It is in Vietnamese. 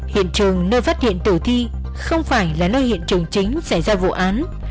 hiện trường nơi phát hiện tử thi không phải là nơi hiện trường chính xảy ra vụ án